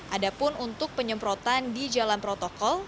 ada pun untuk penyemprotan di jalan protokol